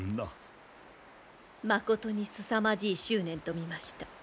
まことにすさまじい執念と見ました。